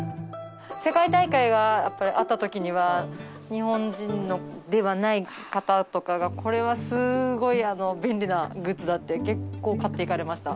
世界大会があったときには日本人ではない方とかがこれはすごい便利なグッズだって結構買っていかれました。